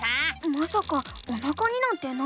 まさかおなかになんてないよね？